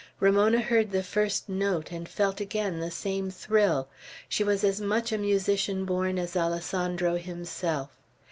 Ramona heard the first note, and felt again the same thrill. She was as much a musician born as Alessandro himself.